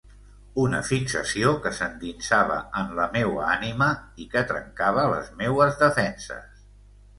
Una fixació que s'endinsava en la meua ànima i que trencava les meues defenses.